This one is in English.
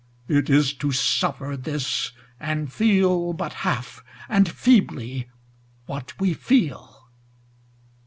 It is to suffer this, And feel but half, and feebly, what we feel.